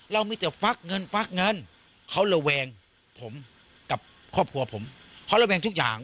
เรามีแต่ฟักเงินฟักเงินเขาระแวงผมกับครอบครัวผมเพราะระแวงทุกอย่าง